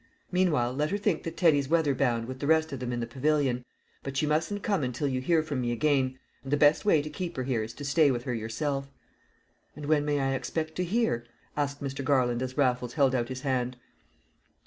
Meanwhile let her think that Teddy's weatherbound with the rest of them in the pavilion; but she mustn't come until you hear from me again; and the best way to keep her here is to stay with her yourself." "And when may I expect to hear?" asked Mr. Garland as Raffles held out his hand.